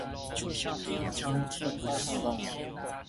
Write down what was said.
偷挽蔥，嫁好翁